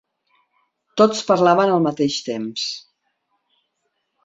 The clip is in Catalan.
Tots parlaven al mateix temps.